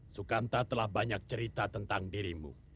sukanta telah banyak cerita tentang dirimu